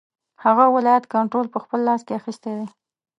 هغه ولایت کنټرول په خپل لاس کې اخیستی دی.